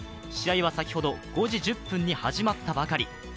試合は先ほど５時１０分に始まったばかり。